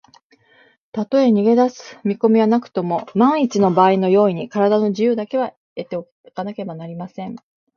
たとえ逃げだす見こみはなくとも、まんいちのばあいの用意に、からだの自由だけは得ておかねばなりません。